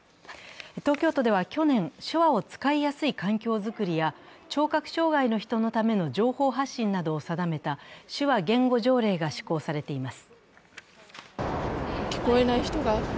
東京都では去年、手話を使いやすい環境作りや聴覚障害の人のための情報発信などを定めた手話言語条例が施行されています。